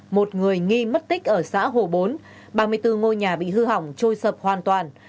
một người nghi mất tích ở xã hồ bốn ba mươi bốn ngôi nhà bị hư hỏng trôi sập hoàn toàn